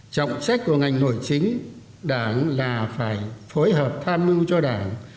trọng trách của ngành nội chính đảng là phải phối hợp tham mưu cho đảng